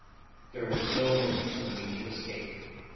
There was no room for me to escape.